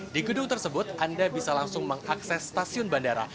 di gedung tersebut anda bisa langsung mengakses stasiun bandara